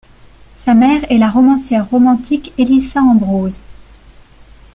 Sa mère est la romancière romantique Elissa Ambrose.